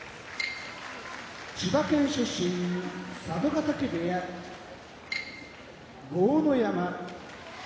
千葉県出身佐渡ヶ嶽部屋豪ノ山